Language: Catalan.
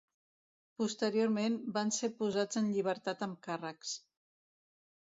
Posteriorment van ser posats en llibertat amb càrrecs.